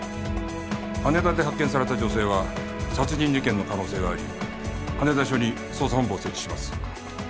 羽田で発見された女性は殺人事件の可能性があり羽田署に捜査本部を設置します。